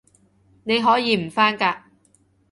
你可以唔返㗎